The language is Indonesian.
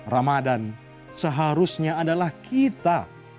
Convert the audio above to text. ramadhan seharusnya adalah kita